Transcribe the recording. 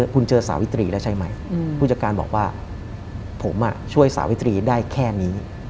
คุณเจอสาวิตรีแล้วใช่ไหมผู้จัดการบอกว่าผมช่วยสาวิตรีได้แค่นี้